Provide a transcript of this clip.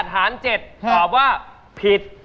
๔๘หาร๗ตอบว่าผิด